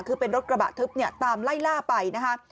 คือเป็นรถกระบะทึบเนี่ยตามไล่ล่าไปนะคะ